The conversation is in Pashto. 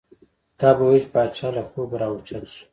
تا به وې پاچا له خوبه را او چت شو.